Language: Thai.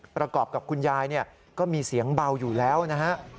ประกอบกับคุณยายก็มีเสียงเบาอยู่แล้วนะฮะ